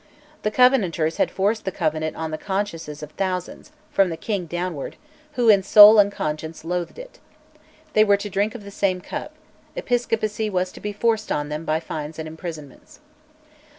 The Covenanters had forced the Covenant on the consciences of thousands, from the king downwards, who in soul and conscience loathed it. They were to drink of the same cup Episcopacy was to be forced on them by fines and imprisonments.